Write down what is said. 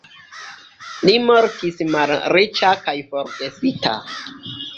Li mortis malriĉa kaj forgesita.